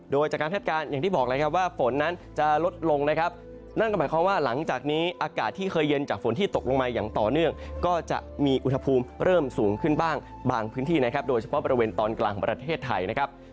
โดยจากการคาดการณ์อย่างที่บอกเลยครับว่าฝนนั้นจะลดลงนะครับนั่นก็หมายความว่าหลังจากนี้อากาศที่เคยเย็นจากฝนที่ตกลงมาอย่างต่อเนื่องก็จะมีอุณหภูมิเริ่มสูงขึ้นบ้างบางพื้นที่นะครับโดยเฉพาะบริเวณตอนกลางของประเทศไทยนะครับ